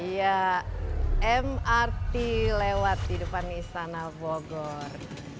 ya mrt lewat di depan istana bogor